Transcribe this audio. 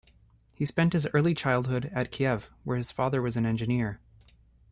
He spent his early childhood at Kiev, where his father was an engineer.